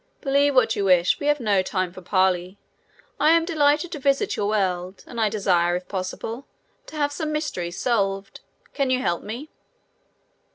"Believe what you wish, we have no time for parley. I am delighted to visit your world and I desire, if possible, to have some mysteries solved. Can you help me?"